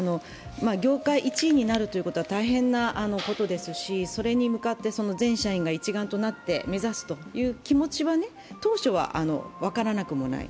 業界１位になるということは大変なことですし、それに向かって全社員が一丸となって目指すという気持ちはね、当初は分からなくもない。